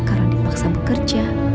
karena dipaksa bekerja